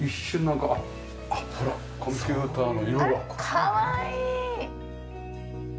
かわいい！